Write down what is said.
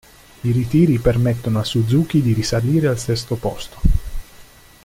I ritiri permettono a Suzuki di risalire al sesto posto.